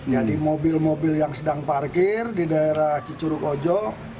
jadi mobil mobil yang sedang parkir di daerah cicuruk ojo